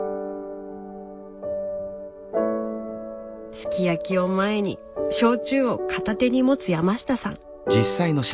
すき焼きを前に焼酎を片手に持つ山下さん。